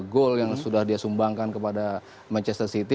dua puluh dua gol yang sudah dia sumbangkan kepada manchester city